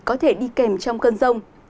có thể đi kèm trong cơn rông